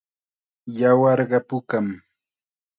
Yawarqa pukam.